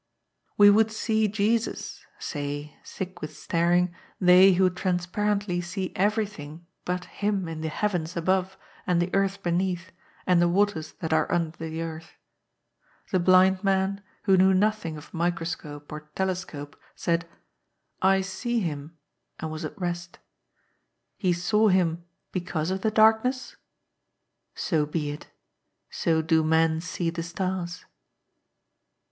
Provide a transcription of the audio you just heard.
" We would see Jesus," say, sick with staring, they who transparently see everything but Him in the Heavens above and the Earth beneath and the Waters that are under the Earth. The blind man, who knew nothing of microscope or telescope, said, " I see Him," and was at rest. He saw Him because of the darkness ? So be it. So do men see the stars.